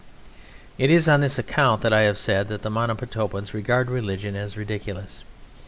It is on this account that I have said that the Monomotapans regard religion as ridiculous.